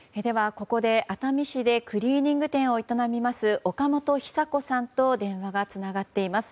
ここで、熱海市でクリーニング店を営みます岡本尚子さんと電話がつながっています。